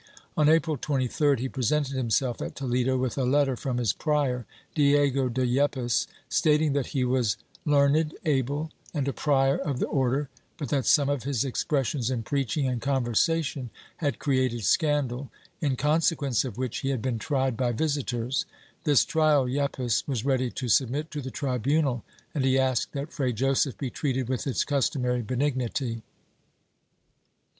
On April 23d he pre sented himself at Toledo, with a letter from his prior, Diego de Yepes, stating that he was learned, able and a prior of the Order, but that some of his expressions in preaching and conversation had created scandal, in consecjuence of which he had been tried by visitors; this trial Yepes was ready to submit to the tribunal, and he asked that Fray Joseph be treated with its customary benignity.